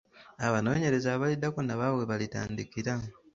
Abanoonyereza abaliddako nabo awo we balitandikira.